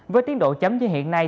với tiến độ chấm như hiện nay